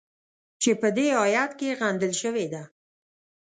چې په دې ایت کې غندل شوې ده.